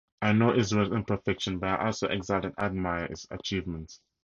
I know Israel's imperfections, but I also exalt and admire its achievements.